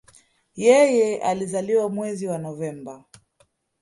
Yeye alizaliwa mwezi wa Novemba